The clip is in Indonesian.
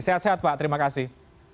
sehat sehat pak terima kasih